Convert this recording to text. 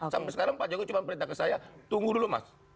sampai sekarang pak jokowi cuma perintah ke saya tunggu dulu mas